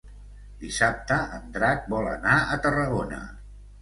Dissabte en Drac vol anar a Tarragona.